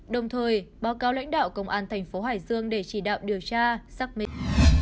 đồng thời báo cáo lãnh đạo công an thành phố hải dương để chỉ đạo điều tra xác minh